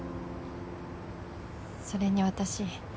それに私